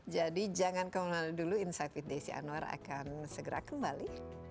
jadi jangan kemelalui dulu insight with desi anwar akan segera kembali